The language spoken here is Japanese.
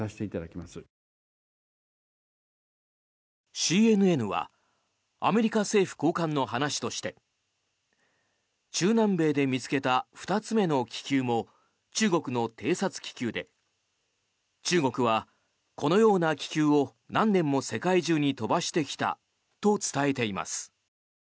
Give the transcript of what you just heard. ＣＮＮはアメリカ政府高官の話として中南米で見つけた２つ目の気球も中国の偵察気球で中国はこのような気球を何年も世界中に飛ばしてきたと伝えています。